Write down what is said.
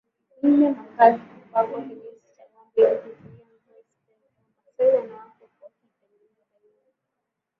nneMakazi kupakwa kinyesi cha ngombe ili kuzuia mvua isipenye Wamasai wanawake wakitengeneza nyumba